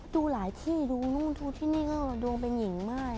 ดูหลายที่ดูนู่นดูที่นี่ก็ดวงเป็นหญิงมาก